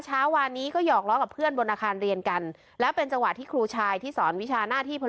เช้าวานนี้ก็หอกล้อกับเพื่อนบนอาคารเรียนกันแล้วเป็นจังหวะที่ครูชายที่สอนวิชาหน้าที่พอดี